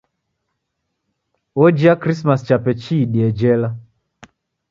Ojia Krisimasi chape chiidie jela.